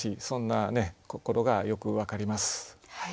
そんな心がよく分かります。